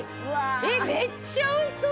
えっめっちゃ美味しそう！